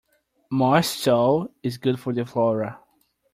Moist soil is good for the flora.